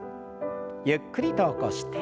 ゆっくりと起こして。